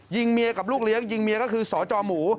เมียกับลูกเลี้ยงยิงเมียก็คือสจหมู